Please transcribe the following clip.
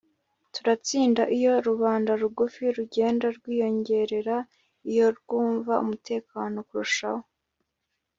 Turatsinda iyo rubanda rugufi rugenda rwiyongera iyo rwumva umutekano kurushaho